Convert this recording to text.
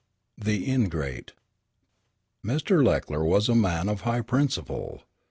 THE INGRATE I Mr. Leckler was a man of high principle.